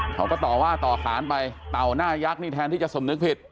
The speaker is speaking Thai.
เขาก็ต่อว่าต่อขานไปเต่าหน้ายักษ์นี่แทนที่จะสมนึกผิด